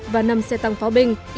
và năm xe tăng pháo binh